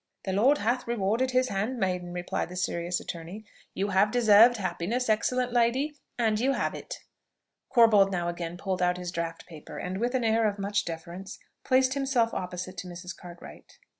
"The Lord hath rewarded his handmaiden," replied the serious attorney. "You have deserved happiness, excellent lady, and you have it." Corbold now again pulled out his draught paper, and with an air of much deference, placed himself opposite to Mrs. Cartwright.